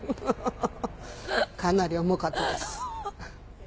かなり重かったです。